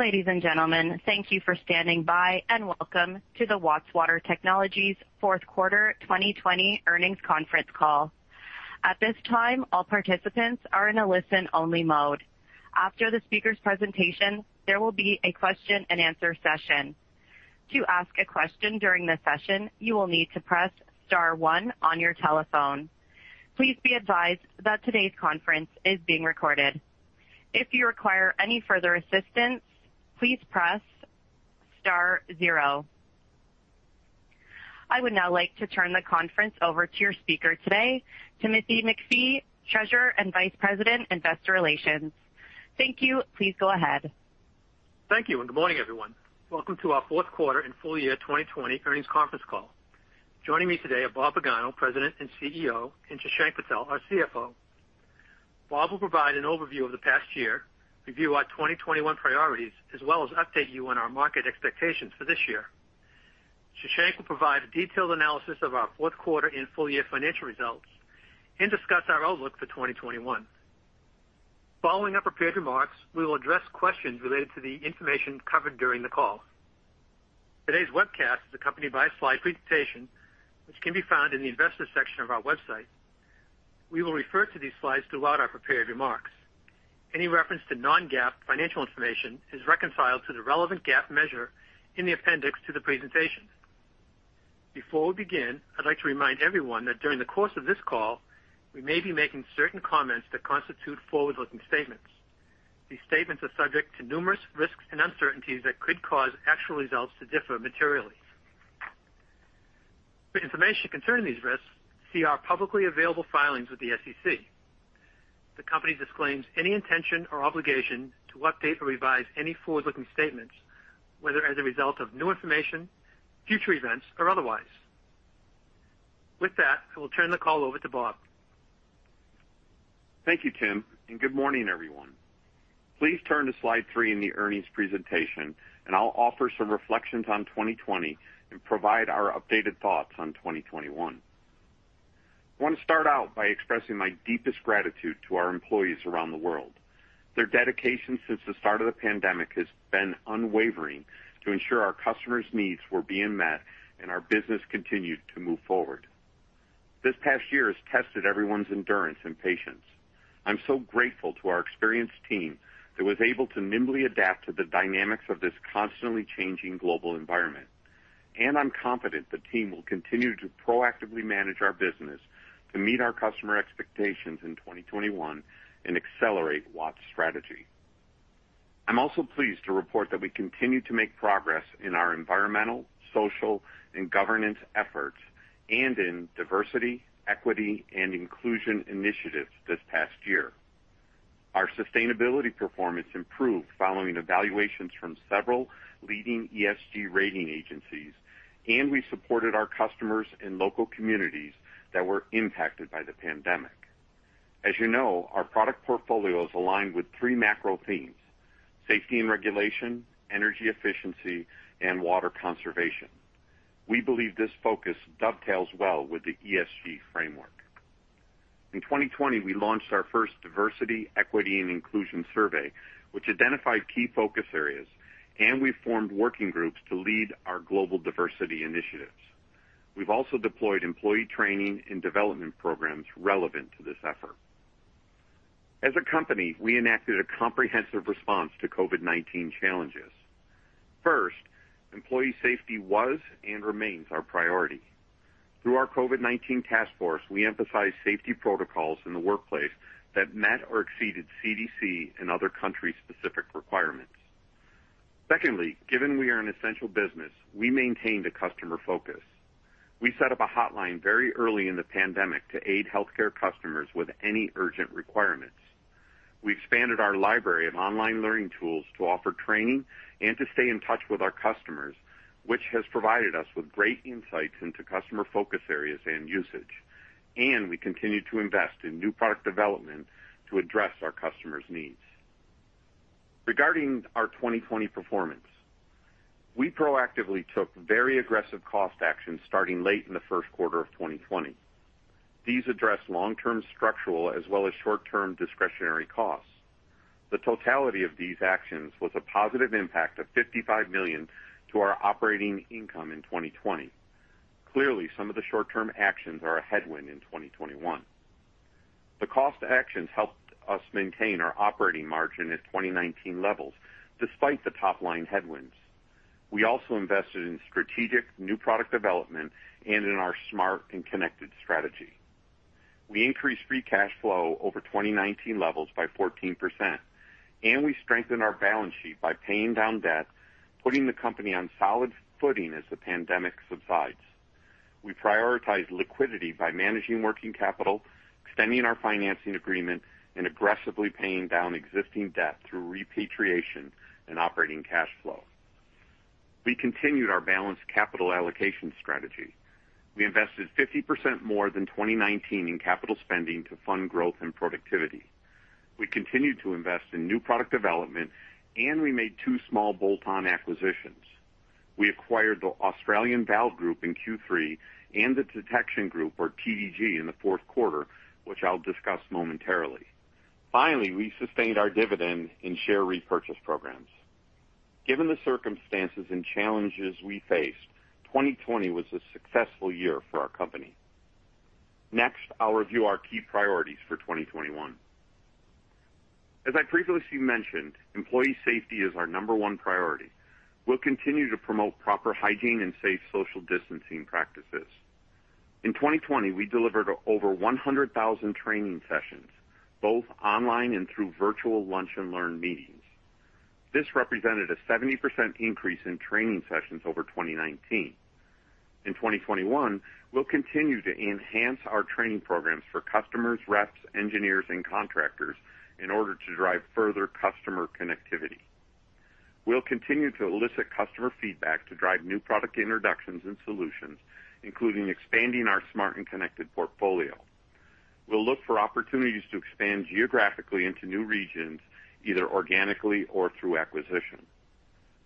Ladies and gentlemen, thank you for standing by and welcome to the Watts Water Technologies Q4 2020 earnings conference call. At this time, all participants are in a listen-only mode. After the speaker's presentation, there will be a question-and-answer session. To ask a question during this session, you will need to press star one on your telephone. Please be advised that today's conference is being recorded. If you require any further assistance, please press star zero. I would now like to turn the conference over to your speaker today, Timothy MacPhee, Treasurer and Vice President, Investor Relations. Thank you. Please go ahead. Thank you and good morning, everyone. Welcome to our Q4 and Full Year 2020 earnings conference call. Joining me today are Robert Pagano, President and CEO, and Shashank Patel, our CFO. Robert will provide an overview of the past year, review our 2021 priorities, as well as update you on our market expectations for this year. Shashank will provide a detailed analysis of our Q4 and Full Year financial results and discuss our outlook for 2021. Following our prepared remarks, we will address questions related to the information covered during the call. Today's webcast is accompanied by a slide presentation, which can be found in the investors' section of our website. We will refer to these slides throughout our prepared remarks. Any reference to non-GAAP financial information is reconciled to the relevant GAAP measure in the appendix to the presentation. Before we begin, I'd like to remind everyone that during the course of this call, we may be making certain comments that constitute forward-looking statements. These statements are subject to numerous risks and uncertainties that could cause actual results to differ materially. For information concerning these risks, see our publicly available filings with the SEC. The company disclaims any intention or obligation to update or revise any forward-looking statements, whether as a result of new information, future events, or otherwise. With that, I will turn the call over to Robert. Thank you, Timothy, and good morning, everyone. Please turn to slide three in the earnings presentation, and I'll offer some reflections on 2020 and provide our updated thoughts on 2021. I want to start out by expressing my deepest gratitude to our employees around the world. Their dedication since the start of the pandemic has been unwavering to ensure our customers' needs were being met and our business continued to move forward. This past year has tested everyone's endurance and patience. I'm so grateful to our experienced team that was able to nimbly adapt to the dynamics of this constantly changing global environment. I'm confident the team will continue to proactively manage our business to meet our customer expectations in 2021 and accelerate Watts' strategy. I'm also pleased to report that we continue to make progress in our environmental, social, and governance efforts, and in diversity, equity, and inclusion initiatives this past year. Our sustainability performance improved following evaluations from several leading ESG rating agencies, and we supported our customers and local communities that were impacted by the pandemic. As you know, our product portfolio is aligned with three macro themes: safety and regulation, energy efficiency, and water conservation. We believe this focus dovetails well with the ESG framework. In 2020, we launched our first diversity, equity, and inclusion survey, which identified key focus areas, and we formed working groups to lead our global diversity initiatives. We've also deployed employee training and development programs relevant to this effort. As a company, we enacted a comprehensive response to COVID-19 challenges. First, employee safety was and remains our priority. Through our COVID-19 task force, we emphasized safety protocols in the workplace that met or exceeded CDC and other country-specific requirements. Secondly, given we are an essential business, we maintained a customer focus. We set up a hotline very early in the pandemic to aid healthcare customers with any urgent requirements. We expanded our library of online learning tools to offer training and to stay in touch with our customers, which has provided us with great insights into customer focus areas and usage. And we continue to invest in new product development to address our customers' needs. Regarding our 2020 performance, we proactively took very aggressive cost actions starting late in the Q1 of 2020. These addressed long-term structural as well as short-term discretionary costs. The totality of these actions was a positive impact of 55 million to our operating income in 2020. Clearly, some of the short-term actions are a headwind in 2021. The cost actions helped us maintain our operating margin at 2019 levels despite the top-line headwinds. We also invested in strategic new product development and in our Smart & Connected strategy. We increased Free Cash Flow over 2019 levels by 14%, and we strengthened our balance sheet by paying down debt, putting the company on solid footing as the pandemic subsides. We prioritized liquidity by managing working capital, extending our financing agreement, and aggressively paying down existing debt through repatriation and operating cash flow. We continued our balanced capital allocation strategy. We invested 50% more than 2019 in capital spending to fund growth and productivity. We continued to invest in new product development, and we made two small bolt-on acquisitions. We acquired the Australian Valve Group in Q3 and The Detection Group, or TDG, in the Q3, which I'll discuss momentarily. Finally, we sustained our dividend and share repurchase programs. Given the circumstances and challenges we faced, 2020 was a successful year for our company. Next, I'll review our key priorities for 2021. As I previously mentioned, employee safety is our number one priority. We'll continue to promote proper hygiene and safe social distancing practices. In 2020, we delivered over 100,000 training sessions, both online and through virtual lunch-and-learn meetings. This represented a 70% increase in training sessions over 2019. In 2021, we'll continue to enhance our training programs for customers, reps, engineers, and contractors in order to drive further customer connectivity. We'll continue to elicit customer feedback to drive new product introductions and solutions, including expanding our Smart and Connected portfolio. We'll look for opportunities to expand geographically into new regions, either organically or through acquisition.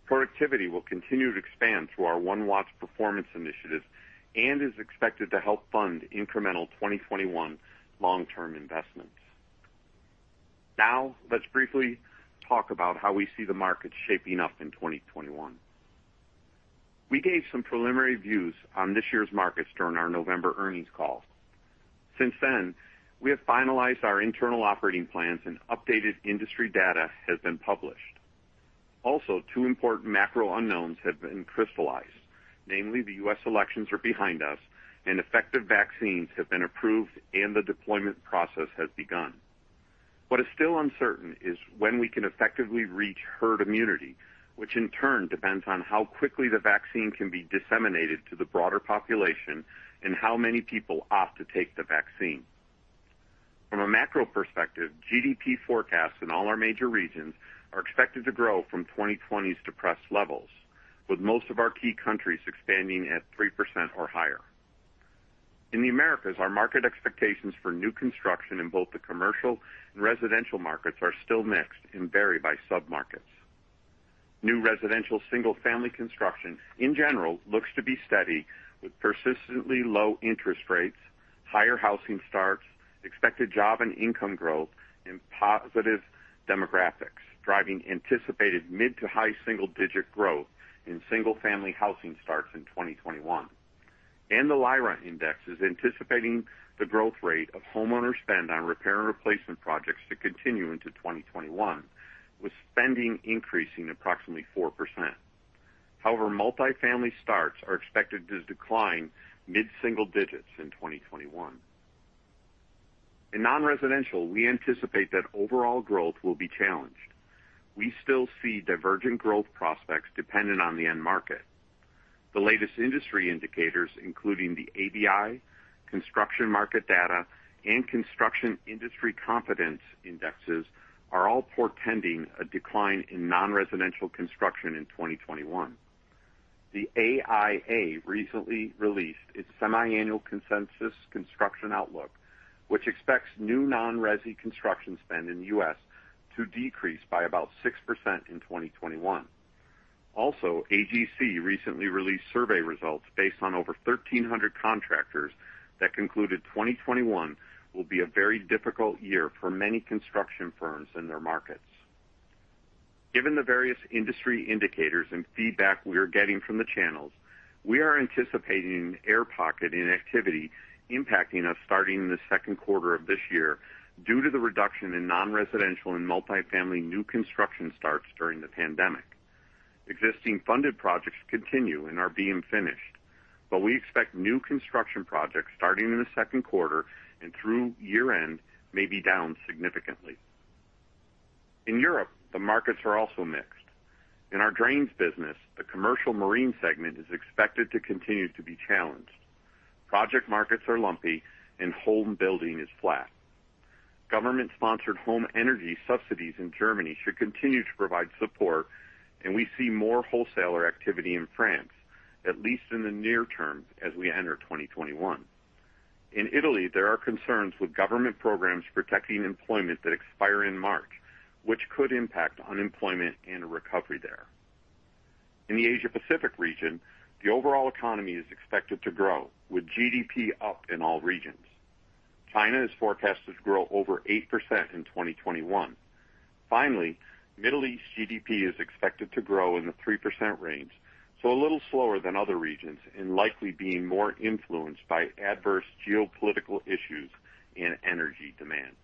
Productivity will continue to expand through our One Watts performance initiatives and is expected to help fund incremental 2021 long-term investments. Now, let's briefly talk about how we see the markets shaping up in 2021. We gave some preliminary views on this year's markets during our November earnings call. Since then, we have finalized our internal operating plans and updated industry data has been published. Also, two important macro unknowns have been crystallized, namely, the U.S. elections are behind us and effective vaccines have been approved and the deployment process has begun. What is still uncertain is when we can effectively reach herd immunity, which in turn depends on how quickly the vaccine can be disseminated to the broader population and how many people opt to take the vaccine. From a macro perspective, GDP forecasts in all our major regions are expected to grow from 2020's depressed levels, with most of our key countries expanding at 3% or higher. In the Americas, our market expectations for new construction in both the commercial and residential markets are still mixed and vary by sub-markets. New residential single-family construction, in general, looks to be steady with persistently low interest rates, higher housing starts, expected job and income growth, and positive demographics driving anticipated mid to high single-digit growth in single-family housing starts in 2021. The LIRA index is anticipating the growth rate of homeowner spend on repair and replacement projects to continue into 2021, with spending increasing approximately 4%. However, multi-family starts are expected to decline mid-single digits in 2021. In non-residential, we anticipate that overall growth will be challenged. We still see divergent growth prospects dependent on the end market. The latest industry indicators, including the ABI, Construction Market Data, and Construction Industry Confidence Indexes, are all portending a decline in non-residential construction in 2021. The AIA recently released its semi-annual consensus construction outlook, which expects new non-resi construction spend in the U.S. to decrease by about 6% in 2021. Also, AGC recently released survey results based on over 1,300 contractors that concluded 2021 will be a very difficult year for many construction firms in their markets. Given the various industry indicators and feedback we are getting from the channels, we are anticipating air pocket inactivity impacting us starting in the second quarter of this year due to the reduction in non-residential and multi-family new construction starts during the pandemic. Existing funded projects continue and are being finished, but we expect new construction projects starting in the second quarter and through year-end may be down significantly. In Europe, the markets are also mixed. In our drains business, the commercial marine segment is expected to continue to be challenged. Project markets are lumpy and home building is flat. Government-sponsored home energy subsidies in Germany should continue to provide support, and we see more wholesaler activity in France, at least in the near term as we enter 2021. In Italy, there are concerns with government programs protecting employment that expire in March, which could impact unemployment and recovery there. In the Asia-Pacific region, the overall economy is expected to grow, with GDP up in all regions. China is forecast to grow over 8% in 2021. Finally, Middle East GDP is expected to grow in the 3% range, so a little slower than other regions and likely being more influenced by adverse geopolitical issues and energy demand.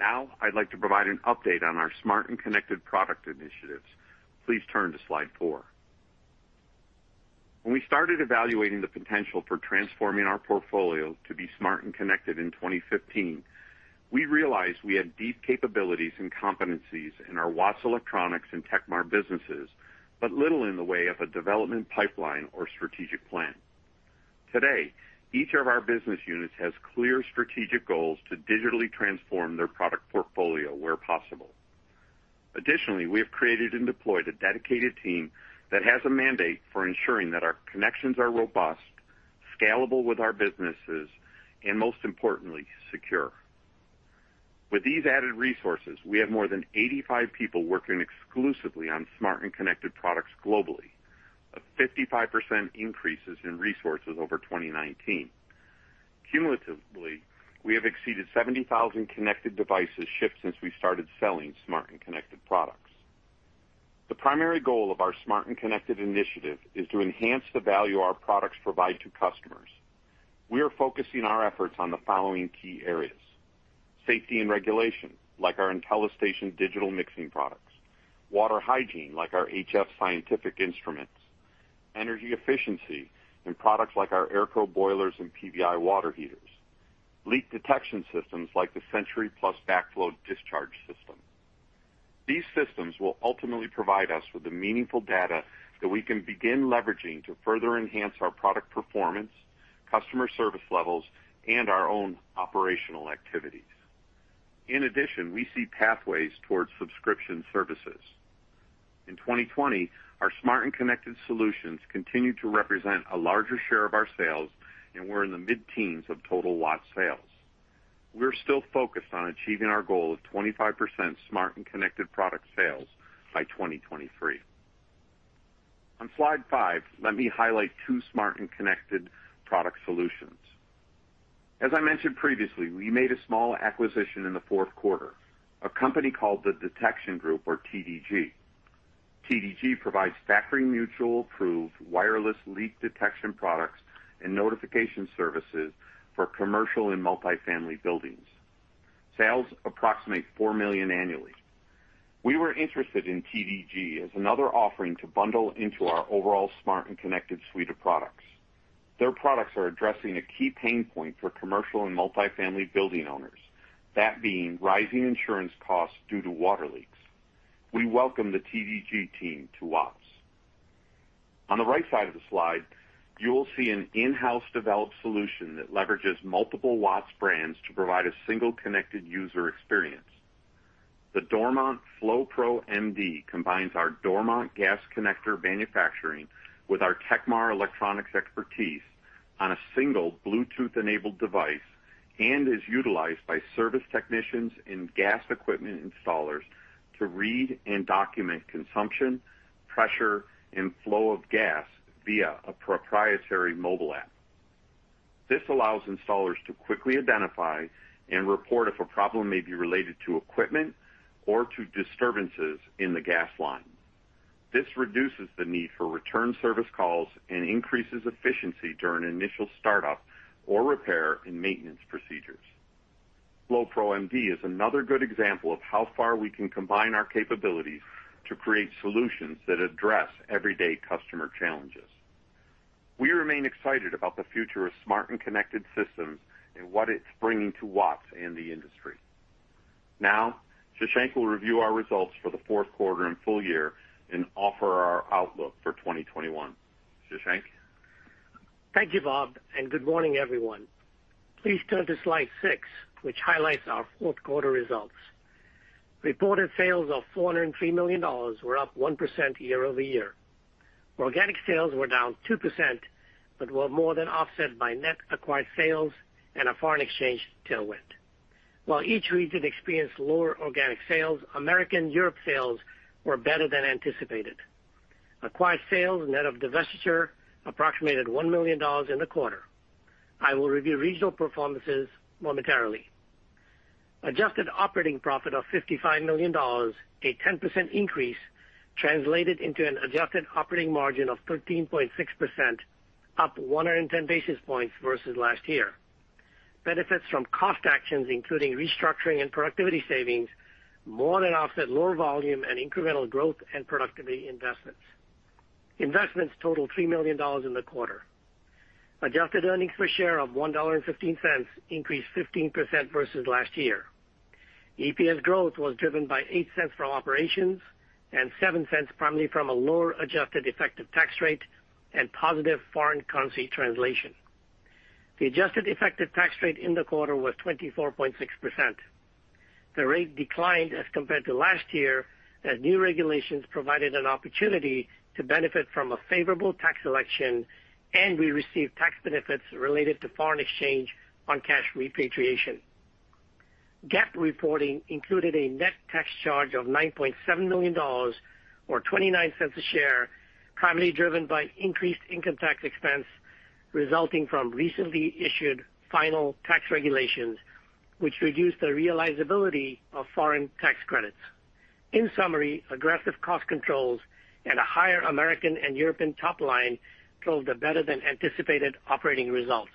Now, I'd like to provide an update on our smart and connected product initiatives. Please turn to slide four. When we started evaluating the potential for transforming our portfolio to be smart and connected in 2015, we realized we had deep capabilities and competencies in our Watts Electronics and Tekmar businesses, but little in the way of a development pipeline or strategic plan. Today, each of our business units has clear strategic goals to digitally transform their product portfolio where possible. Additionally, we have created and deployed a dedicated team that has a mandate for ensuring that our connections are robust, scalable with our businesses, and most importantly, secure. With these added resources, we have more than 85 people working exclusively on smart and connected products globally, a 55% increase in resources over 2019. Cumulatively, we have exceeded 70,000 connected devices shipped since we started selling smart and connected products. The primary goal of our Smart and Connected initiative is to enhance the value our products provide to customers. We are focusing our efforts on the following key areas: safety and regulation, like our IntelliStation digital mixing products, water hygiene, like our HF Scientific instruments, energy efficiency, and products like our AERCO boilers and PVI water heaters, leak detection systems, like the SentryPlus Alert backflow discharge system. These systems will ultimately provide us with the meaningful data that we can begin leveraging to further enhance our product performance, customer service levels, and our own operational activities. In addition, we see pathways towards subscription services. In 2020, our smart and connected solutions continue to represent a larger share of our sales, and we're in the mid-teens of total Watts sales. We're still focused on achieving our goal of 25% smart and connected product sales by 2023. On slide five, let me highlight two Smart and Connected product solutions. As I mentioned previously, we made a small acquisition in the fourth quarter, a company called The Detection Group, or TDG. TDG provides Factory Mutual-approved wireless leak detection products and notification services for commercial and multi-family buildings. Sales approximate 4 million annually. We were interested in TDG as another offering to bundle into our overall Smart and Connected suite of products. Their products are addressing a key pain point for commercial and multi-family building owners, that being rising insurance costs due to water leaks. We welcome the TDG team to Watts. On the right side of the slide, you will see an in-house developed solution that leverages multiple Watts brands to provide a single connected user experience. The Dormont FloPro-MD combines our Dormont gas connector manufacturing with our tekmar Electronics expertise on a single Bluetooth-enabled device and is utilized by service technicians and gas equipment installers to read and document consumption, pressure, and flow of gas via a proprietary mobile app. This allows installers to quickly identify and report if a problem may be related to equipment or to disturbances in the gas line. This reduces the need for return service calls and increases efficiency during initial startup or repair and maintenance procedures. FloPro-MD is another good example of how far we can combine our capabilities to create solutions that address everyday customer challenges. We remain excited about the future of smart and connected systems and what it's bringing to Watts and the industry. Now, Shashank will review our results for the Q4 and full year and offer our outlook for 2021. Shashank. Thank you, Robert, and good morning, everyone. Please turn to slide six, which highlights our Q4 results. Reported sales of $403 million were up 1% year-over-year. Organic sales were down 2%, but were more than offset by net acquired sales and a foreign exchange tailwind. While each region experienced lower organic sales, Americas and Europe sales were better than anticipated. Acquired sales net of divestiture approximated $1 million in the quarter. I will review regional performances momentarily. Adjusted operating profit of $55 million, a 10% increase, translated into an adjusted operating margin of 13.6%, up 110 basis points versus last year. Benefits from cost actions, including restructuring and productivity savings, more than offset lower volume and incremental growth and productivity investments. Investments totaled $3 million in the quarter. Adjusted earnings per share of $1.15 increased 15% versus last year. EPS growth was driven by eight cents from operations and seven cents primarily from a lower adjusted effective tax rate and positive foreign currency translation. The adjusted effective tax rate in the quarter was 24.6%. The rate declined as compared to last year as new regulations provided an opportunity to benefit from a favorable tax election, and we received tax benefits related to foreign exchange on cash repatriation. GAAP reporting included a net tax charge of $9.7 million, or 29 cents a share, primarily driven by increased income tax expense resulting from recently issued final tax regulations, which reduced the realizability of foreign tax credits. In summary, aggressive cost controls and a higher American and European top line drove the better than anticipated operating results.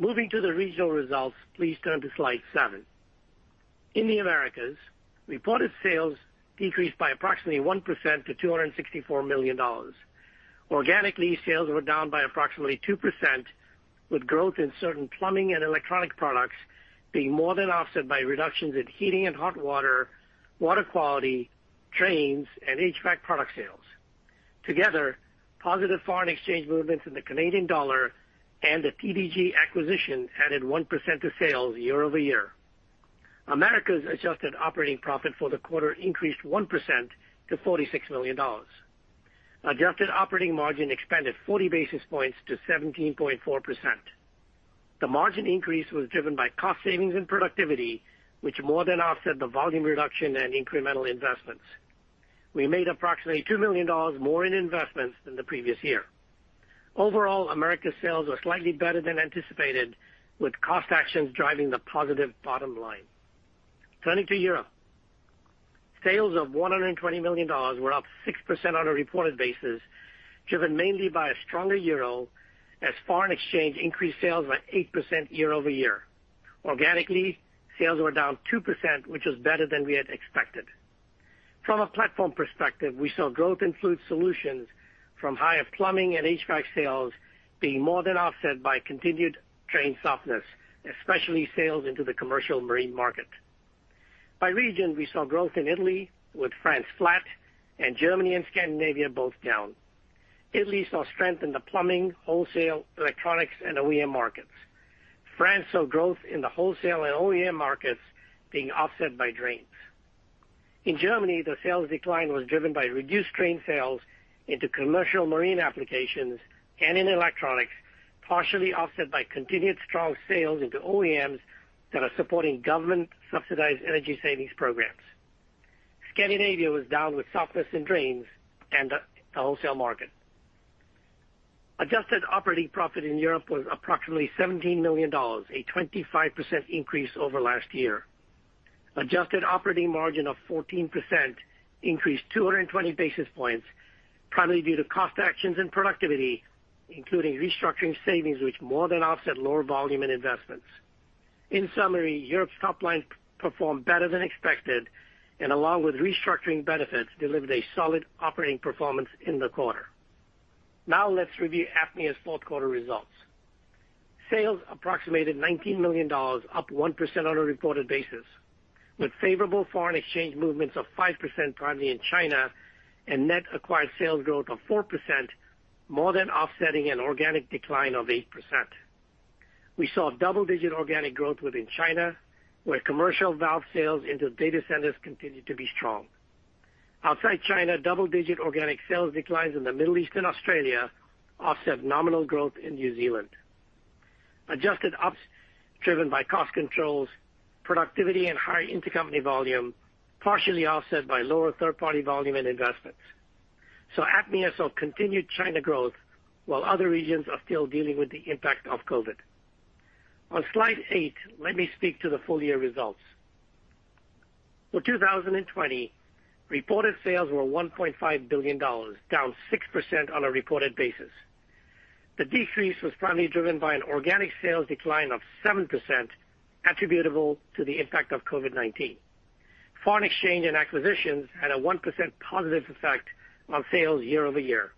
Moving to the regional results, please turn to slide seven. In the Americas, reported sales decreased by approximately 1% to $264 million. Organic sales were down by approximately 2%, with growth in certain plumbing and electronic products being more than offset by reductions in heating and hot water, water quality, drains, and HVAC product sales. Together, positive foreign exchange movements in the Canadian dollar and the TDG acquisition added 1% to sales year-over-year. Americas' adjusted operating profit for the quarter increased 1% to $46 million. Adjusted operating margin expanded 40 basis points to 17.4%. The margin increase was driven by cost savings and productivity, which more than offset the volume reduction and incremental investments. We made approximately $2 million more in investments than the previous year. Overall, Americas sales were slightly better than anticipated, with cost actions driving the positive bottom line. Turning to Europe, sales of $120 million were up 6% on a reported basis, driven mainly by a stronger euro as foreign exchange increased sales by 8% year-over-year. Organically, sales were down 2%, which was better than we had expected. From a platform perspective, we saw growth in fluid solutions from higher plumbing and HVAC sales being more than offset by continued drain softness, especially sales into the commercial marine market. By region, we saw growth in Italy, with France flat, and Germany and Scandinavia both down. Italy saw strength in the plumbing, wholesale, electronics, and OEM markets. France saw growth in the wholesale and OEM markets being offset by drains. In Germany, the sales decline was driven by reduced drain sales into commercial marine applications and in electronics, partially offset by continued strong sales into OEMs that are supporting government-subsidized energy savings programs. Scandinavia was down with softness in drains and the wholesale market. Adjusted operating profit in Europe was approximately $17 million, a 25% increase over last year. Adjusted operating margin of 14% increased 220 basis points, primarily due to cost actions and productivity, including restructuring savings, which more than offset lower volume and investments. In summary, Europe's top line performed better than expected, and along with restructuring benefits, delivered a solid operating performance in the quarter. Now, let's review APMEA's Q4results. Sales approximated $19 million, up 1% on a reported basis, with favorable foreign exchange movements of 5% primarily in China and net acquired sales growth of 4%, more than offsetting an organic decline of 8%. We saw double-digit organic growth within China, where commercial valve sales into data centers continued to be strong. Outside China, double-digit organic sales declines in the Middle East and Australia offset nominal growth in New Zealand. Adjusted OP driven by cost controls, productivity, and higher intercompany volume, partially offset by lower third-party volume and investments. So APMEA saw continued China growth, while other regions are still dealing with the impact of COVID. On slide eight, let me speak to the full year results. For 2020, reported sales were $1.5 billion, down 6% on a reported basis. The decrease was primarily driven by an organic sales decline of 7%, attributable to the impact of COVID-19. Foreign exchange and acquisitions had a 1% positive effect on sales year-over-year.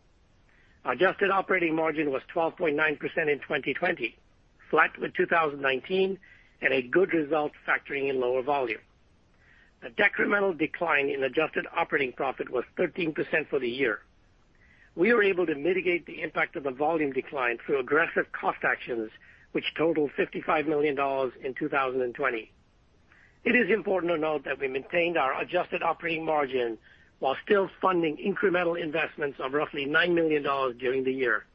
Adjusted operating margin was 12.9% in 2020, flat with 2019, and a good result factoring in lower volume. A decremental decline in adjusted operating profit was 13% for the year. We were able to mitigate the impact of the volume decline through aggressive cost actions, which totaled $55 million in 2020. It is important to note that we maintained our adjusted operating margin while still funding incremental investments of roughly $9 million during the year.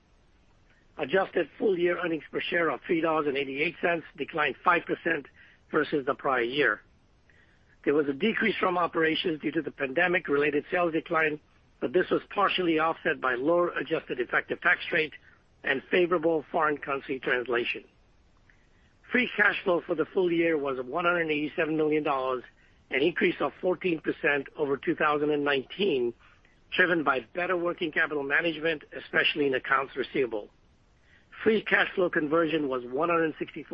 Adjusted full year earnings per share of $3.88 declined 5% versus the prior year. There was a decrease from operations due to the pandemic-related sales decline, but this was partially offset by lower adjusted effective tax rate and favorable foreign currency translation. Free cash flow for the full year was $187 million, an increase of 14% over 2019, driven by better working capital management, especially in accounts receivable. Free cash flow conversion was 164%.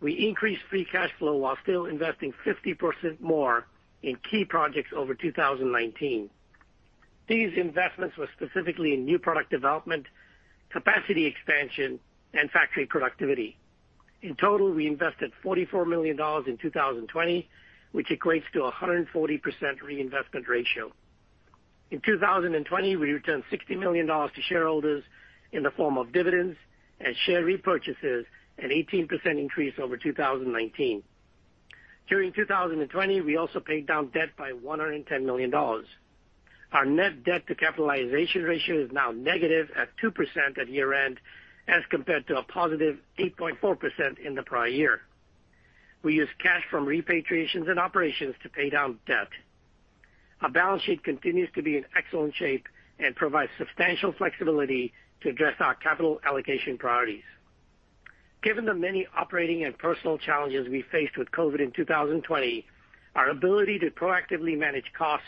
We increased free cash flow while still investing 50% more in key projects over 2019. These investments were specifically in new product development, capacity expansion, and factory productivity. In total, we invested $44 million in 2020, which equates to a 140% reinvestment ratio. In 2020, we returned $60 million to shareholders in the form of dividends and share repurchases, an 18% increase over 2019. During 2020, we also paid down debt by $110 million. Our net debt-to-capitalization ratio is now negative at 2% at year-end as compared to a positive 8.4% in the prior year. We use cash from repatriations and operations to pay down debt. Our balance sheet continues to be in excellent shape and provides substantial flexibility to address our capital allocation priorities. Given the many operating and personal challenges we faced with COVID in 2020, our ability to proactively manage costs,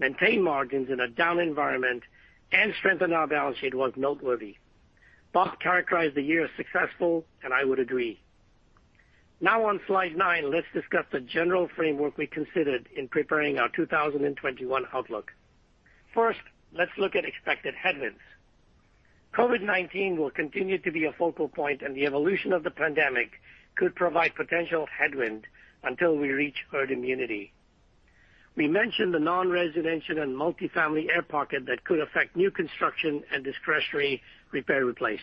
maintain margins in a down environment, and strengthen our balance sheet was noteworthy. Robert characterized the year as successful, and I would agree. Now, on slide nine, let's discuss the general framework we considered in preparing our 2021 outlook. First, let's look at expected headwinds. COVID-19 will continue to be a focal point, and the evolution of the pandemic could provide potential headwind until we reach herd immunity. We mentioned the non-residential and multi-family air pocket that could affect new construction and discretionary repair replace.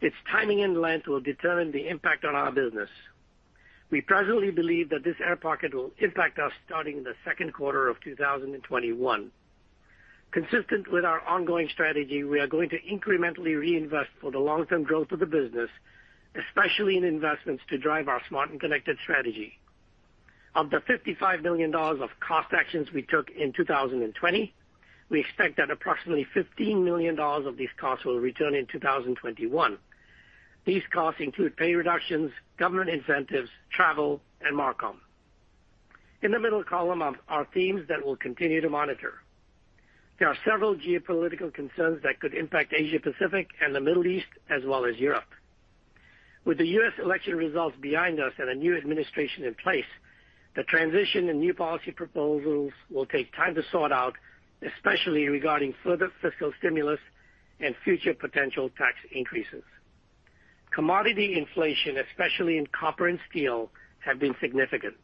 Its timing and length will determine the impact on our business. We presently believe that this air pocket will impact us starting the second quarter of 2021. Consistent with our ongoing strategy, we are going to incrementally reinvest for the long-term growth of the business, especially in investments to drive our smart and connected strategy. Of the $55 million of cost actions we took in 2020, we expect that approximately $15 million of these costs will return in 2021. These costs include pay reductions, government incentives, travel, and marcom. In the middle column are themes that we'll continue to monitor. There are several geopolitical concerns that could impact Asia-Pacific and the Middle East, as well as Europe. With the U.S. election results behind us and a new administration in place, the transition and new policy proposals will take time to sort out, especially regarding further fiscal stimulus and future potential tax increases. Commodity inflation, especially in copper and steel, has been significant.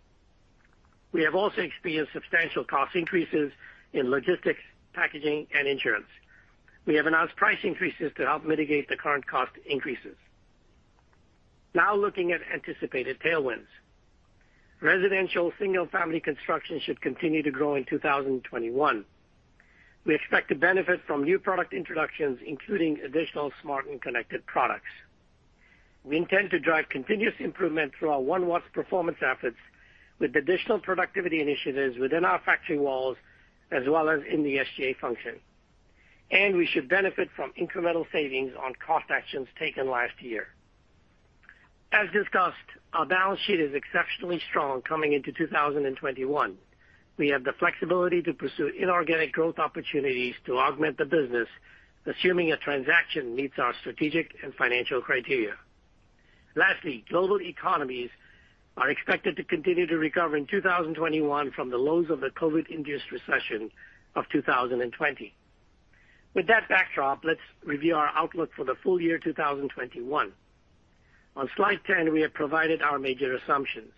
We have also experienced substantial cost increases in logistics, packaging, and insurance. We have announced price increases to help mitigate the current cost increases. Now, looking at anticipated tailwinds. Residential single-family construction should continue to grow in 2021. We expect to benefit from new product introductions, including additional smart and connected products. We intend to drive continuous improvement through our One Watts performance efforts with additional productivity initiatives within our factory walls, as well as in the SGA function. We should benefit from incremental savings on cost actions taken last year. As discussed, our balance sheet is exceptionally strong coming into 2021. We have the flexibility to pursue inorganic growth opportunities to augment the business, assuming a transaction meets our strategic and financial criteria. Lastly, global economies are expected to continue to recover in 2021 from the lows of the COVID-induced recession of 2020. With that backdrop, let's review our outlook for the full year 2021. On slide 10, we have provided our major assumptions.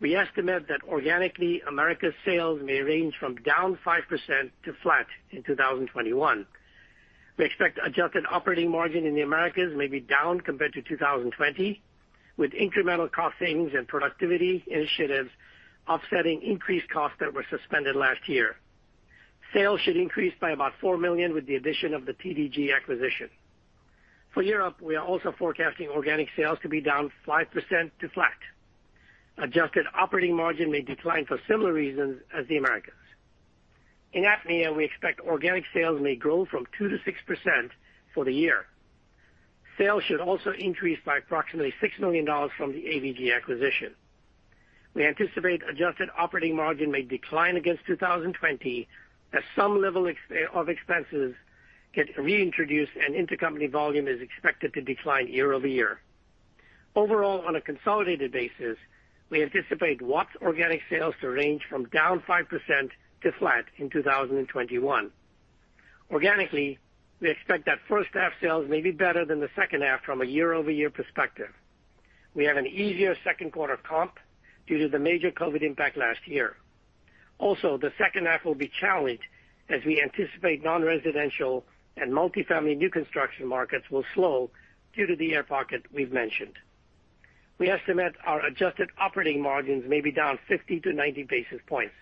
We estimate that organically, Americas sales may range from down 5% to flat in 2021. We expect adjusted operating margin in the Americas may be down compared to 2020, with incremental cost savings and productivity initiatives offsetting increased costs that were suspended last year. Sales should increase by about $4 million with the addition of the TDG acquisition. For Europe, we are also forecasting organic sales to be down 5% to flat. Adjusted operating margin may decline for similar reasons as the Americas. In APMEA, we expect organic sales may grow from 2% to 6% for the year. Sales should also increase by approximately $6 million from the AVG acquisition. We anticipate adjusted operating margin may decline against 2020 as some level of expenses get reintroduced and intercompany volume is expected to decline year-over-year. Overall, on a consolidated basis, we anticipate Watts' organic sales to range from down 5% to flat in 2021. Organically, we expect that first half sales may be better than the second half from a year-over-year perspective. We have an easier second quarter comp due to the major COVID impact last year. Also, the second half will be challenged as we anticipate non-residential and multi-family new construction markets will slow due to the air pocket we've mentioned. We estimate our adjusted operating margins may be down 50-90 basis points.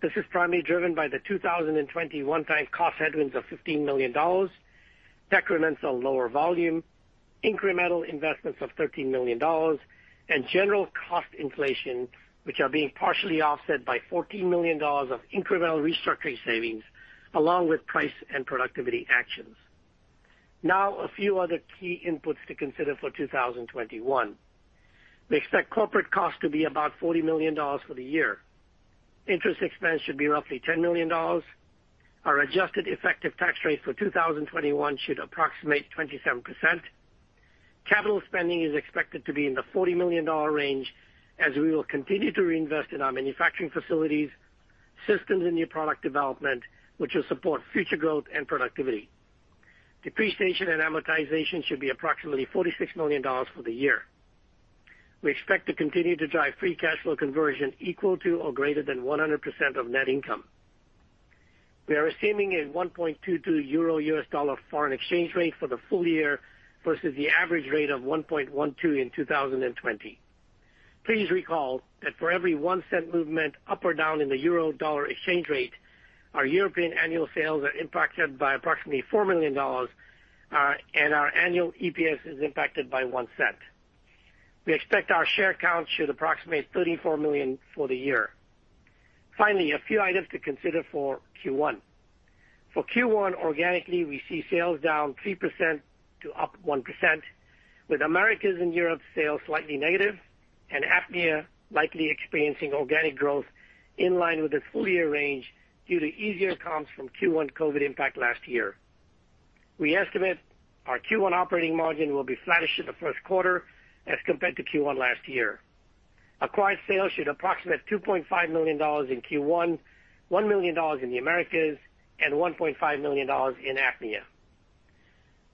This is primarily driven by the one-time cost headwinds of $15 million, decrements on lower volume, incremental investments of $13 million, and general cost inflation, which are being partially offset by $14 million of incremental restructuring savings, along with price and productivity actions. Now, a few other key inputs to consider for 2021. We expect corporate costs to be about $40 million for the year. Interest expense should be roughly $10 million. Our adjusted effective tax rate for 2021 should approximate 27%. Capital spending is expected to be in the $40 million range as we will continue to reinvest in our manufacturing facilities, systems, and new product development, which will support future growth and productivity. Depreciation and amortization should be approximately $46 million for the year. We expect to continue to drive free cash flow conversion equal to or greater than 100% of net income. We are assuming a 1.22 euro US dollar foreign exchange rate for the full year versus the average rate of 1.12 in 2020. Please recall that for every $0.01 movement up or down in the euro dollar exchange rate, our European annual sales are impacted by approximately $4 million, and our annual EPS is impacted by $0.01. We expect our share count should approximate 34 million for the year. Finally, a few items to consider for Q1. For Q1, organically, we see sales down -3% to +1%, with Americas and Europe sales slightly negative and APMEA likely experiencing organic growth in line with its full year range due to easier comps from Q1 COVID impact last year. We estimate our Q1 operating margin will be flattish in the first quarter as compared to Q1 last year. Acquired sales should approximate $2.5 million in Q1, $1 million in the Americas, and $1.5 million in APMEA.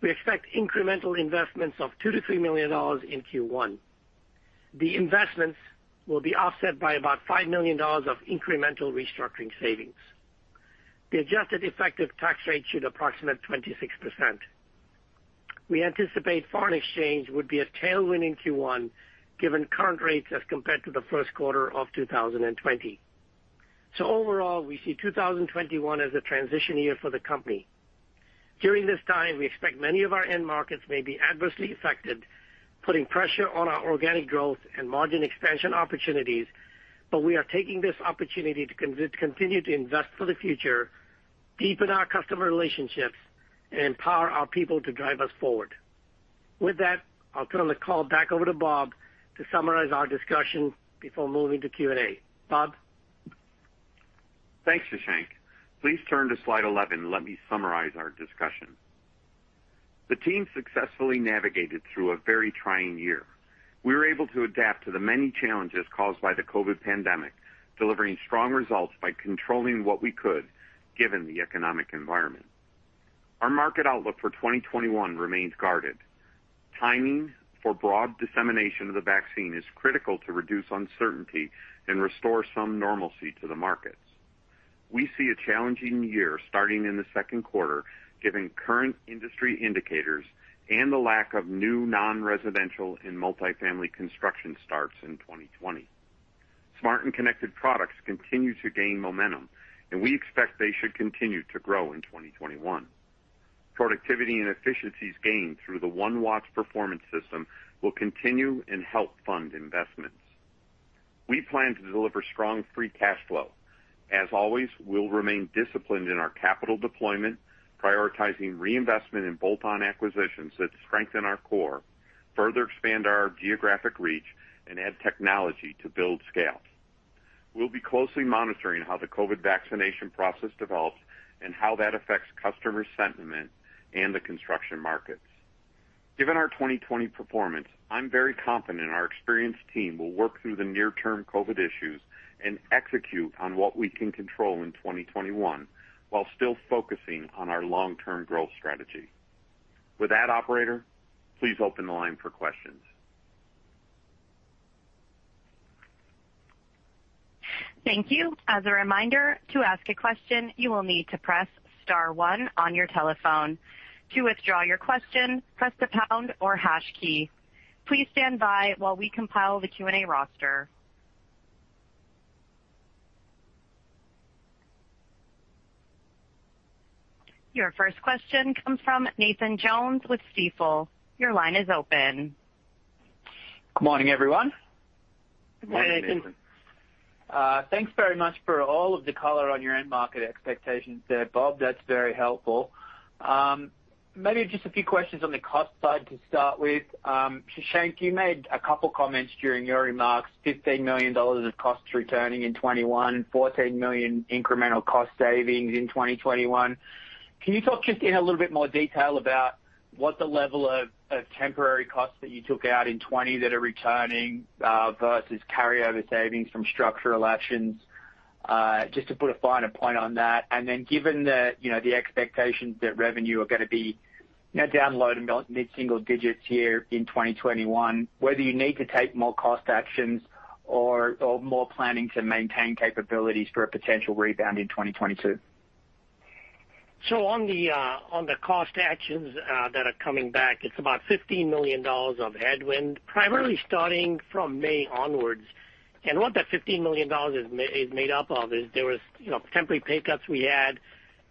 We expect incremental investments of $2-$3 million in Q1. The investments will be offset by about $5 million of incremental restructuring savings. The adjusted effective tax rate should approximate 26%. We anticipate foreign exchange would be a tailwind in Q1 given current rates as compared to the first quarter of 2020. Overall, we see 2021 as a transition year for the company. During this time, we expect many of our end markets may be adversely affected, putting pressure on our organic growth and margin expansion opportunities, but we are taking this opportunity to continue to invest for the future, deepen our customer relationships, and empower our people to drive us forward. With that, I'll turn the call back over to Bob to summarize our discussion before moving to Q&A. Robert? Thanks, Shashank. Please turn to slide 11 and let me summarize our discussion. The team successfully navigated through a very trying year. We were able to adapt to the many challenges caused by the COVID pandemic, delivering strong results by controlling what we could given the economic environment. Our market outlook for 2021 remains guarded. Timing for broad dissemination of the vaccine is critical to reduce uncertainty and restore some normalcy to the markets. We see a challenging year starting in the second quarter, given current industry indicators and the lack of new non-residential and multi-family construction starts in 2020. Smart and Connected products continue to gain momentum, and we expect they should continue to grow in 2021. Productivity and efficiencies gained through the One Watts performance system will continue and help fund investments. We plan to deliver strong Free Cash Flow. As always, we'll remain disciplined in our capital deployment, prioritizing reinvestment in bolt-on acquisitions that strengthen our core, further expand our geographic reach, and add technology to build scale. We'll be closely monitoring how the COVID vaccination process develops and how that affects customer sentiment and the construction markets. Given our 2020 performance, I'm very confident our experienced team will work through the near-term COVID issues and execute on what we can control in 2021 while still focusing on our long-term growth strategy. With that, operator, please open the line for questions. Thank you. As a reminder, to ask a question, you will need to press star one on your telephone. To withdraw your question, press the pound or hash key. Please stand by while we compile the Q&A roster. Your first question comes from Nathan Jones with Stifel. Your line is open. Good morning, everyone. Good morning, Nathan. Thanks very much for all of the color on your end market expectations there, Robert. That's very helpful. Maybe just a few questions on the cost side to start with. Shashank, you made a couple of comments during your remarks: $15 million of costs returning in 2021, $14 million incremental cost savings in 2021. Can you talk just in a little bit more detail about what the level of temporary costs that you took out in 2020 that are returning versus carryover savings from structural actions, just to put a finer point on that? And then given the expectations that revenue are going to be down low- to mid-single digits here in 2021, whether you need to take more cost actions or more planning to maintain capabilities for a potential rebound in 2022? So on the cost actions that are coming back, it's about $15 million of headwind, primarily starting from May onwards. What that $15 million is made up of is there were temporary pay cuts we had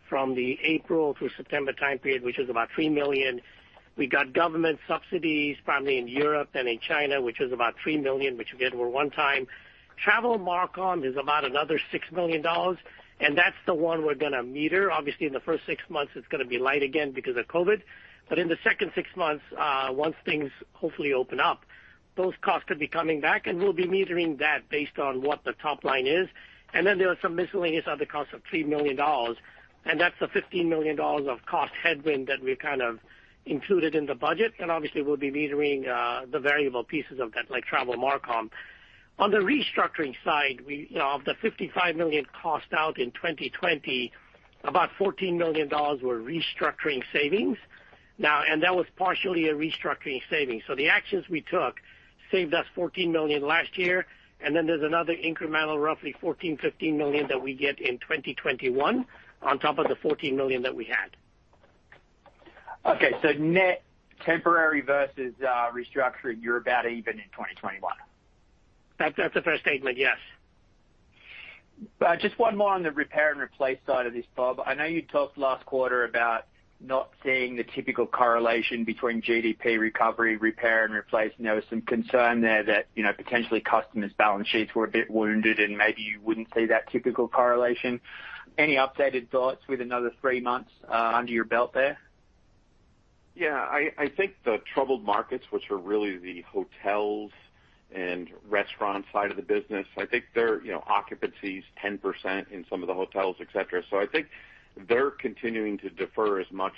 from the April through September time period, which was about $3 million. We got government subsidies, primarily in Europe and in China, which was about $3 million, which we had for one time. Travel marcom is about another $6 million, and that's the one we're going to meter. Obviously, in the first six months, it's going to be light again because of COVID. But in the second six months, once things hopefully open up, those costs could be coming back, and we'll be metering that based on what the top line is. And then there are some miscellaneous other costs of $3 million, and that's the $15 million of cost headwind that we've kind of included in the budget. And obviously, we'll be metering the variable pieces of that, like travel marcom. On the restructuring side, of the $55 million cost out in 2020, about $14 million were restructuring savings. Now, and that was partially a restructuring saving. So the actions we took saved us $14 million last year, and then there's another incremental, roughly 14 to 15 million that we get in 2021 on top of the $14 million that we had. Okay. So net temporary versus restructuring, you're about even in 2021. That's a fair statement, yes. Just one more on the repair and replace side of this, Robert. I know you talked last quarter about not seeing the typical correlation between GDP recovery, repair, and replace. There was some concern there that potentially customers' balance sheets were a bit wounded, and maybe you wouldn't see that typical correlation. Any updated thoughts with another three months under your belt there? Yeah. I think the troubled markets, which are really the hotels and restaurant side of the business, I think their occupancy is 10% in some of the hotels, etc. So I think they're continuing to defer as much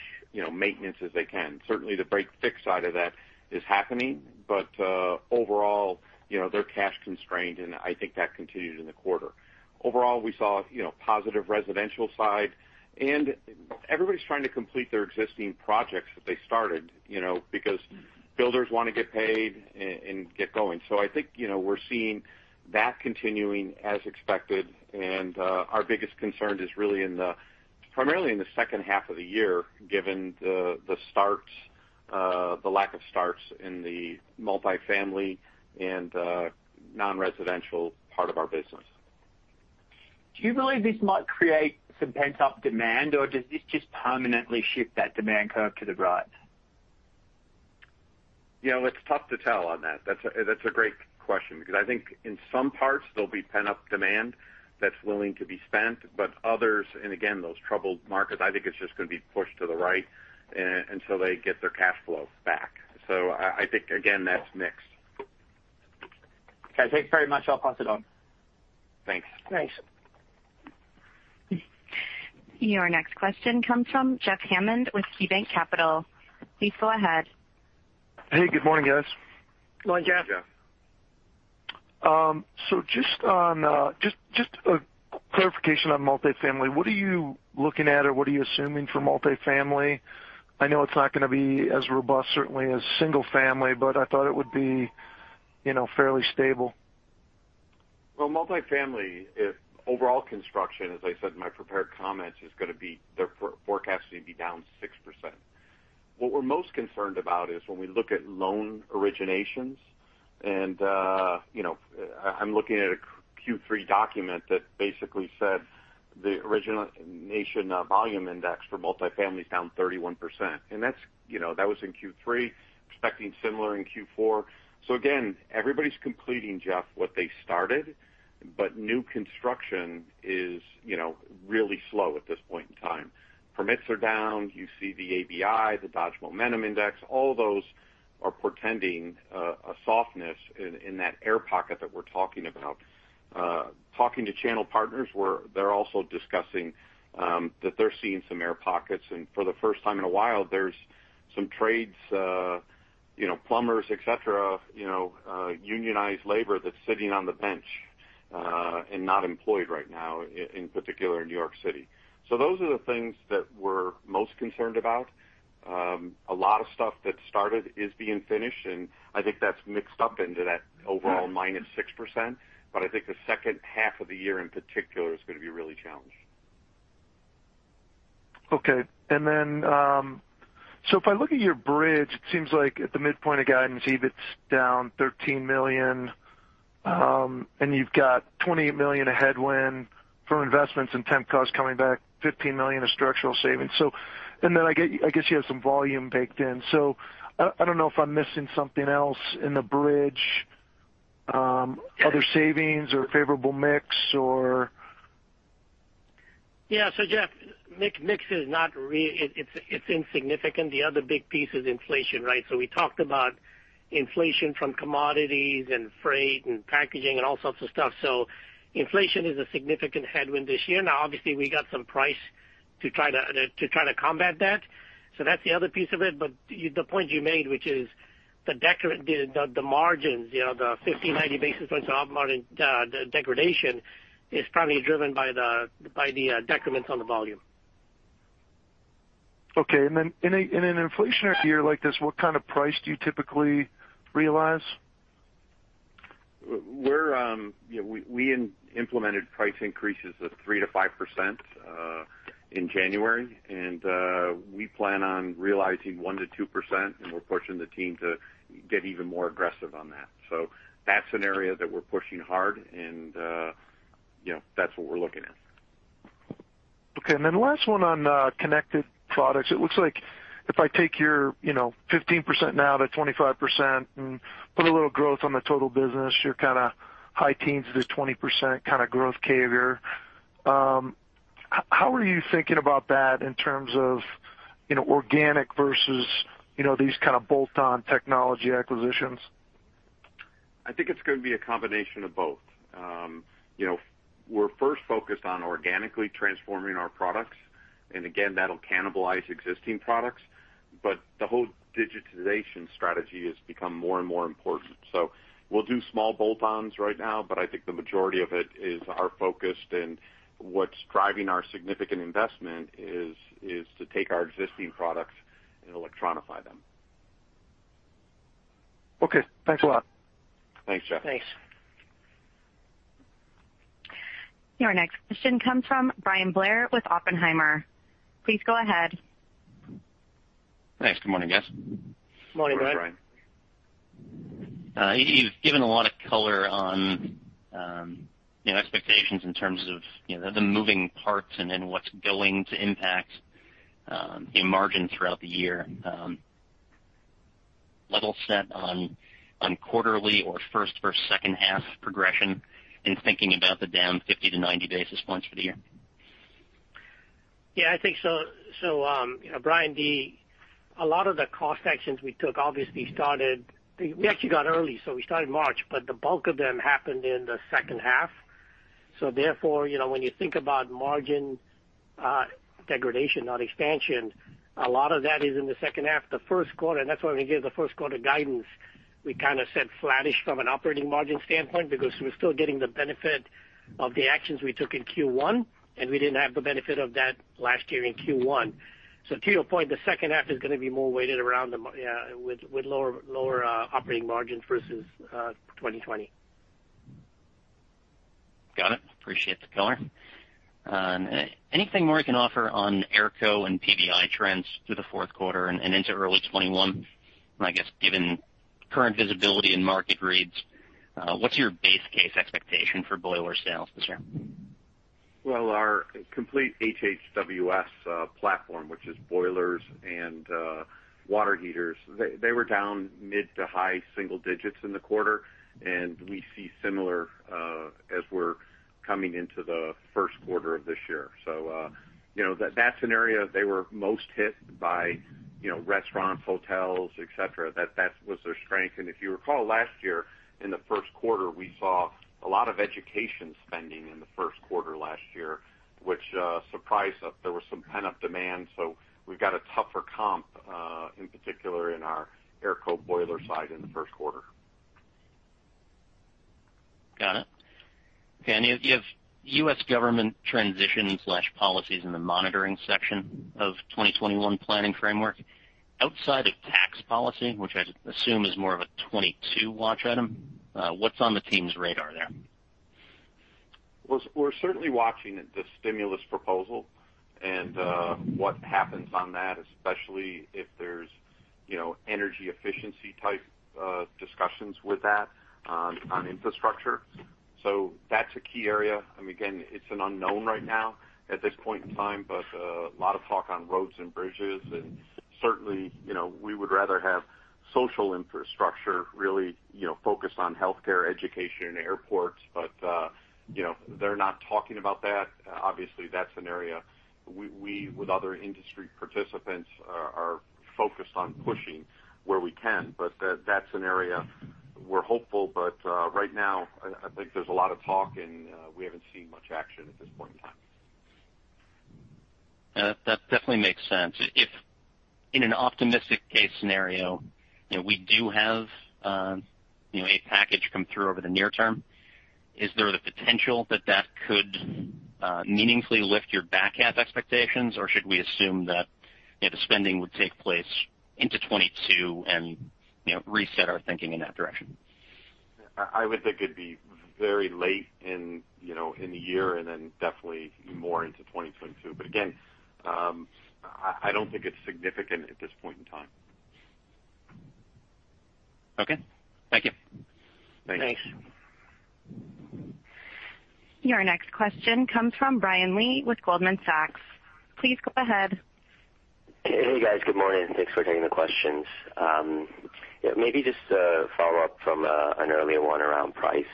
maintenance as they can. Certainly, the break fix side of that is happening, but overall, they're cash constrained, and I think that continued in the quarter. Overall, we saw positive residential side, and everybody's trying to complete their existing projects that they started because builders want to get paid and get going. So I think we're seeing that continuing as expected. And our biggest concern is really primarily in the second half of the year, given the lack of starts in the multi-family and non-residential part of our business. Do you believe this might create some pent-up demand, or does this just permanently shift that demand curve to the right? Yeah. Well, it's tough to tell on that. That's a great question because I think in some parts there'll be pent-up demand that's willing to be spent, but others, and again, those troubled markets, I think it's just going to be pushed to the right until they get their cash flow back. So I think, again, that's mixed. Okay. Thanks very much. I'll pass it on. Thanks. Thanks. Your next question comes from Jeff Hammond with KeyBanc Capital Markets. Please go ahead. Hey, good morning, guys. Morning, Jeffrey. Morning, Jeffrey. So just a clarification on multi-family. What are you looking at, or what are you assuming for multi-family? I know it's not going to be as robust, certainly, as single-family, but I thought it would be fairly stable. Well, multi-family, overall construction, as I said in my prepared comments, is going to be forecast to be down 6%. What we're most concerned about is when we look at loan originations, and I'm looking at a Q3 document that basically said the origination volume index for multi-family is down 31%. That was in Q3. Expecting similar in Q4. So again, everybody's completing, Jeff, what they started, but new construction is really slow at this point in time. Permits are down. You see the ABI, the Dodge Momentum Index. All those are portending a softness in that air pocket that we're talking about. Talking to channel partners, they're also discussing that they're seeing some air pockets. And for the first time in a while, there's some trades, plumbers, etc., unionized labor that's sitting on the bench and not employed right now, in particular in New York City. So those are the things that we're most concerned about. A lot of stuff that started is being finished, and I think that's mixed up into that overall -6%. But I think the second half of the year, in particular, is going to be really challenged. Okay. And then so if I look at your bridge, it seems like at the midpoint of guidance, EBIT's down $13 million, and you've got $28 million of headwind for investments and temp costs coming back, $15 million of structural savings. And then I guess you have some volume baked in. So I don't know if I'm missing something else in the bridge, other savings or favorable mix, or? Yeah. So Jeffrey, mix is not really it's insignificant. The other big piece is inflation, right? So we talked about inflation from commodities and freight and packaging and all sorts of stuff. So inflation is a significant headwind this year. Now, obviously, we got some price to try to combat that. So that's the other piece of it. But the point you made, which is the margins, the 1590 basis points of up margin degradation is probably driven by the decrements on the volume. Okay. And then in an inflationary year like this, what kind of price do you typically realize? We implemented price increases of 3% to 5% in January, and we plan on realizing 1% to 2%, and we're pushing the team to get even more aggressive on that. So that's an area that we're pushing hard, and that's what we're looking at. Okay. And then last one on connected products. It looks like if I take your 15% now to 25% and put a little growth on the total business, you're kind of high teens to 20% kind of growth capture. How are you thinking about that in terms of organic versus these kind of bolt-on technology acquisitions? I think it's going to be a combination of both. We're first focused on organically transforming our products, and again, that'll cannibalize existing products, but the whole digitization strategy has become more and more important. So we'll do small bolt-ons right now, but I think the majority of it is our focus, and what's driving our significant investment is to take our existing products and electronify them. Okay. Thanks a lot. Thanks, Jeffrey. Thanks. Your next question comes from Bryan Blair with Oppenheimer. Please go ahead. Thanks. Good morning, guys. Good morning, Bryan. He's given a lot of color on expectations in terms of the moving parts and then what's going to impact margin throughout the year. Level set on quarterly or first- or second-half progression in thinking about the down 50-90 basis points for the year. Yeah, I think so. So Bryan, a lot of the cost actions we took obviously started we actually got early, so we started March, but the bulk of them happened in the second half. So therefore, when you think about margin degradation, not expansion, a lot of that is in the second half, the Q1. And that's why when we gave the first quarter guidance, we kind of said flattish from an operating margin standpoint because we're still getting the benefit of the actions we took in Q1, and we didn't have the benefit of that last year in Q1. So to your point, the second half is going to be more weighted around with lower operating margins versus 2020. Got it. Appreciate the color. Anything more you can offer on AERCO and PVI trends through the fourth quarter and into early 2021? And I guess given current visibility and market reads, what's your base case expectation for boiler sales this year? Well, our complete HHWS platform, which is boilers and water heaters, they were down mid- to high-single digits in the quarter, and we see similar as we're coming into the first quarter of this year. So that scenario, they were most hit by restaurants, hotels, etc. That was their strength. And if you recall last year, in the first quarter, we saw a lot of education spending in the Q1 last year, which surprised us. There was some pent-up demand, so we've got a tougher comp, in particular in our AERCO boiler side in the first quarter. Got it. Okay. You have U.S. government transition/policies in the monitoring section of 2021 planning framework. Outside of tax policy, which I assume is more of a 2022 watch item, what's on the team's radar there? We're certainly watching the stimulus proposal and what happens on that, especially if there's energy efficiency type discussions with that on infrastructure. So that's a key area. And again, it's an unknown right now at this point in time, but a lot of talk on roads and bridges. And certainly, we would rather have social infrastructure really focused on healthcare, education, airports, but they're not talking about that. Obviously, that's an area we, with other industry participants, are focused on pushing where we can. But that's an area we're hopeful. But right now, I think there's a lot of talk, and we haven't seen much action at this point in time. That definitely makes sense. If in an optimistic case scenario, we do have a package come through over the near term, is there the potential that that could meaningfully lift your back half expectations, or should we assume that the spending would take place into 2022 and reset our thinking in that direction? I would think it'd be very late in the year and then definitely more into 2022. But again, I don't think it's significant at this point in time. Okay. Thank you. Thanks. Thanks. Your next question comes from Ryan Lee with Goldman Sachs. Please go ahead. Hey, guys. Good morning. Thanks for taking the questions. Maybe just a follow-up from an earlier one around price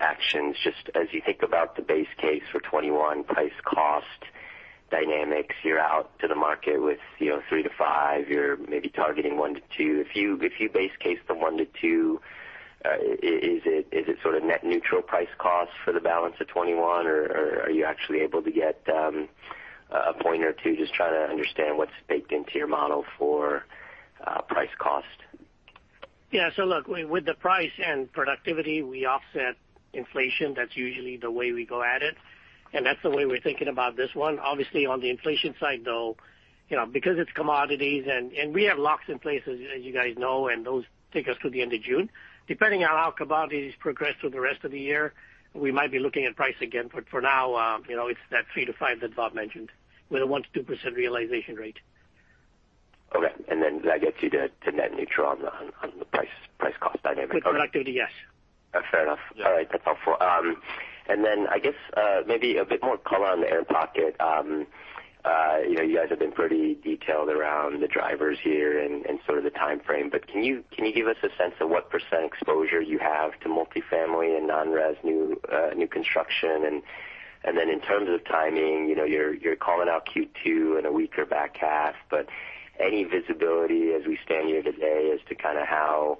actions. Just as you think about the base case for 2021, price cost dynamics, you're out to the market with three to five. You're maybe targeting one to two. If you base case from one to two, is it sort of net neutral price cost for the balance of 2021, or are you actually able to get a point or two? Just trying to understand what's baked into your model for price cost. Yeah. So look, with the price and productivity, we offset inflation. That's usually the way we go at it, and that's the way we're thinking about this one. Obviously, on the inflation side, though, because it's commodities, and we have locks in place, as you guys know, and those take us to the end of June. Depending on how commodities progress through the rest of the year, we might be looking at price again. But for now, it's that three to five that Bob mentioned with a 1%-2% realization rate. Okay. Then that gets you to net neutral on the price cost dynamic. And productivity, yes. Fair enough. All right. That's helpful. Then I guess maybe a bit more color on the air pocket. You guys have been pretty detailed around the drivers here and sort of the time frame, but can you give us a sense of what % exposure you have to multi-family and non-res new construction? And then in terms of timing, you're calling out Q2 and a weak or back half, but any visibility as we stand here today as to kind of how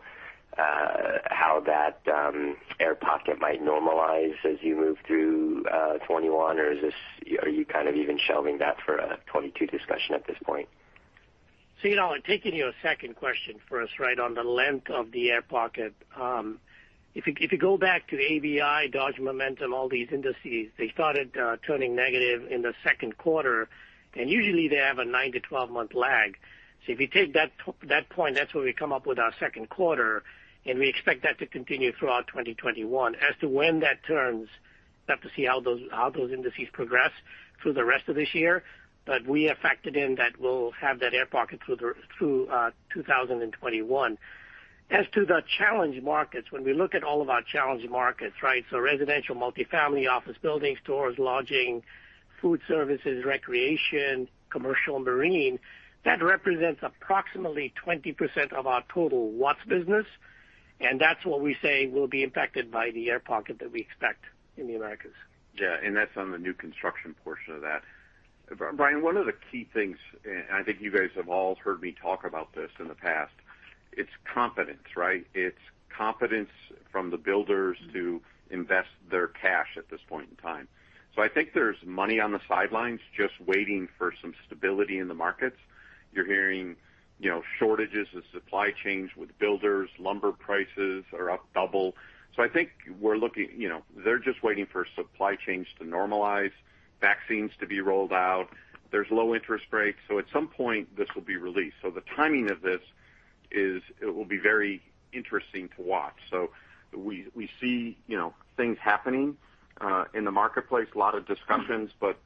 that air pocket might normalize as you move through 2021, or are you kind of even shelving that for a 2022 discussion at this point? So taking your second question for us right on the length of the air pocket, if you go back to ABI, Dodge Momentum, all these indices, they started turning negative in the second quarter, and usually they have a nine -12-month lag. So if you take that point, that's where we come up with our second quarter, and we expect that to continue throughout 2021. As to when that turns, we'll have to see how those indices progress through the rest of this year, but we have factored in that we'll have that air pocket through 2021. As to the challenge markets, when we look at all of our challenge markets, right, so residential, multi-family, office buildings, stores, lodging, food services, recreation, commercial, marine, that represents approximately 20% of our total Watts business, and that's what we say will be impacted by the air pocket that we expect in the Americas. Yeah. And that's on the new construction portion of that. Brian, one of the key things, and I think you guys have all heard me talk about this in the past, it's confidence, right? It's confidence from the builders to invest their cash at this point in time. So I think there's money on the sidelines just waiting for some stability in the markets. You're hearing shortages of supply chains with builders. Lumber prices are up double. So I think we're looking, they're just waiting for supply chains to normalize, vaccines to be rolled out. There's low interest rates. So at some point, this will be released. So the timing of this is it will be very interesting to watch. So we see things happening in the marketplace, a lot of discussions, but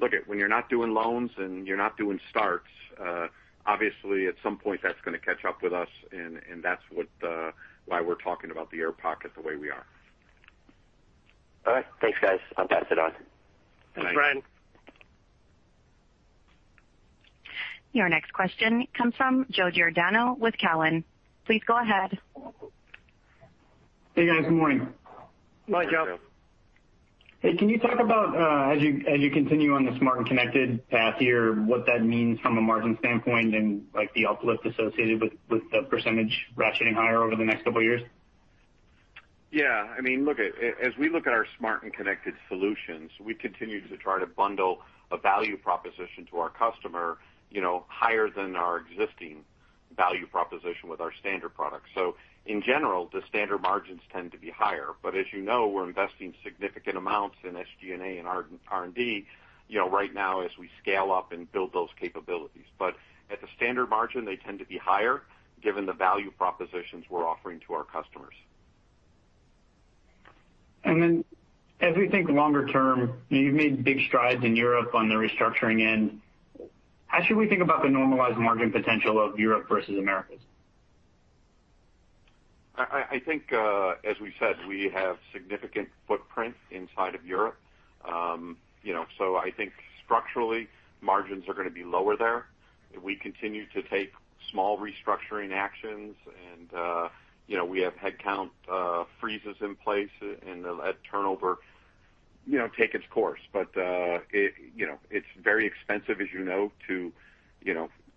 look, when you're not doing loans and you're not doing starts, obviously at some point that's going to catch up with us, and that's why we're talking about the air pocket the way we are. All right. Thanks, guys. I'll pass it on. Thanks, Brian. Your next question comes from Joe Giordano with Cowen. Please go ahead. Hey, guys. Good morning. Hi, Jeff. Hey, can you talk about, as you continue on the smart and connected path here, what that means from a margin standpoint and the uplift associated with the percentage ratcheting higher over the next couple of years? Yeah. I mean, look, as we look at our Smart and Connected solutions, we continue to try to bundle a value proposition to our customer higher than our existing value proposition with our standard products. So in general, the standard margins tend to be higher, but as you know, we're investing significant amounts in SG&A and R&D right now as we scale up and build those capabilities. But at the standard margin, they tend to be higher given the value propositions we're offering to our customers. And then as we think longer term, you've made big strides in Europe on the restructuring end. How should we think about the normalized margin potential of Europe versus Americas? I think, as we said, we have significant footprint inside of Europe. So I think structurally, margins are going to be lower there. If we continue to take small restructuring actions and we have headcount freezes in place and let turnover take its course, but it's very expensive, as you know, to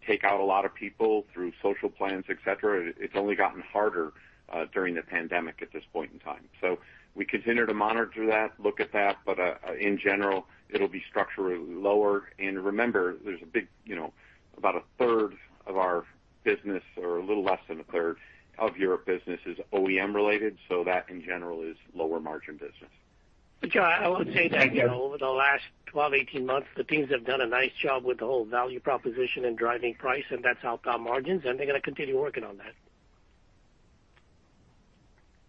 take out a lot of people through social plans, etc. It's only gotten harder during the pandemic at this point in time. So we continue to monitor that, look at that, but in general, it'll be structurally lower. And remember, there's about a third of our business, or a little less than a third of your business, is OEM-related, so that in general is lower margin business. But I will say that over the last 12, 18 months, the teams have done a nice job with the whole value proposition and driving price, and that's helped our margins, and they're going to continue working on that.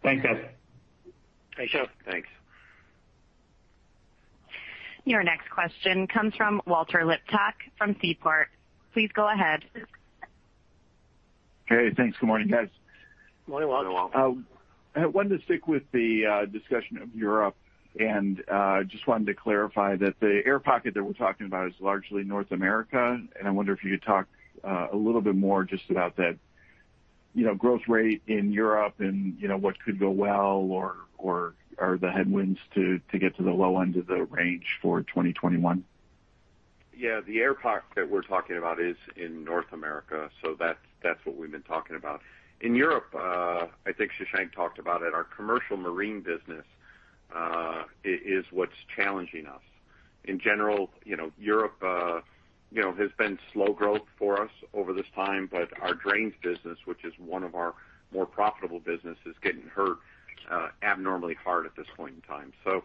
Thanks, guys. Thanks, Jeff. Thanks. Your next question comes from Walter Liptak from Seaport. Please go ahead. Hey, thanks. Good morning, guys. Good morning, Walt. I wanted to stick with the discussion of Europe and just wanted to clarify that the air pocket that we're talking about is largely North America, and I wonder if you could talk a little bit more just about that growth rate in Europe and what could go well or are the headwinds to get to the low end of the range for 2021? Yeah. The air pocket we're talking about is in North America, so that's what we've been talking about. In Europe, I think Shashank talked about it, our commercial marine business is what's challenging us. In general, Europe has been slow growth for us over this time, but our drains business, which is one of our more profitable businesses, is getting hurt abnormally hard at this point in time. So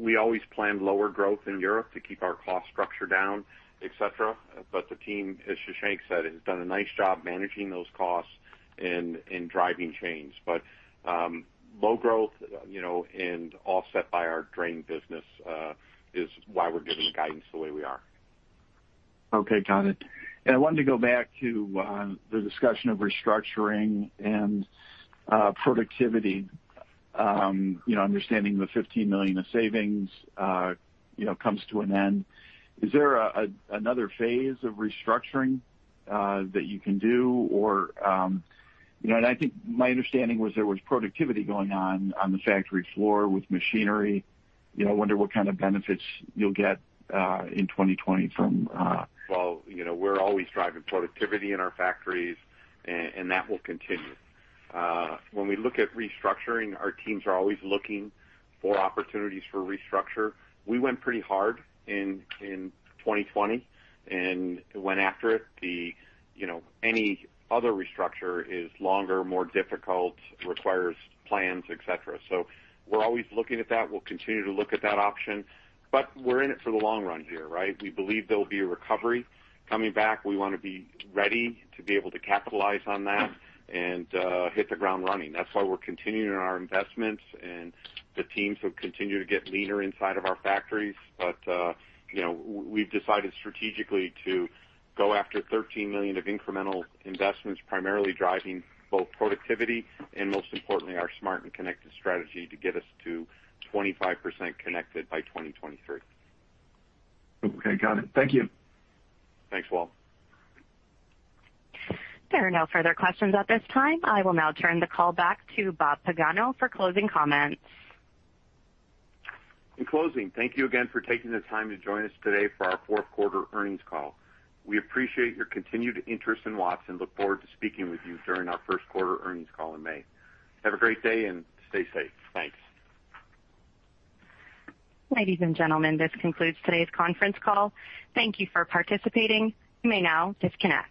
we always plan lower growth in Europe to keep our cost structure down, etc., but the team, as Shashank said, has done a nice job managing those costs and driving change. But low growth and offset by our drain business is why we're given the guidance the way we are. Okay. Got it. And I wanted to go back to the discussion of restructuring and productivity, understanding the $15 million of savings comes to an end. Is there another phase of restructuring that you can do, or? And I think my understanding was there was productivity going on on the factory floor with machinery. I wonder what kind of benefits you'll get in 2020 from. Well, we're always driving productivity in our factories, and that will continue. When we look at restructuring, our teams are always looking for opportunities for restructure. We went pretty hard in 2020 and went after it. Any other restructure is longer, more difficult, requires plans, etc. So we're always looking at that. We'll continue to look at that option, but we're in it for the long run here, right? We believe there'll be a recovery coming back. We want to be ready to be able to capitalize on that and hit the ground running. That's why we're continuing our investments, and the teams have continued to get leaner inside of our factories. But we've decided strategically to go after $13 million of incremental investments, primarily driving both productivity and, most importantly, our Smart and Connected strategy to get us to 25% connected by 2023. Okay. Got it. Thank you. Thanks, Walt. There are no further questions at this time. I will now turn the call back to Bob Pagano for closing comments. In closing, thank you again for taking the time to join us today for our Q4 earnings call. We appreciate your continued interest in Watts and look forward to speaking with you during our first quarter earnings call in May. Have a great day and stay safe. Thanks. Ladies and gentlemen, this concludes today's conference call. Thank you for participating. You may now disconnect.